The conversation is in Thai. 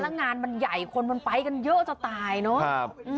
แล้วงานมันใหญ่คนมันไปกันเยอะจะตายเนอะ